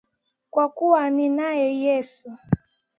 Kwa kuwa ninaye Yesu.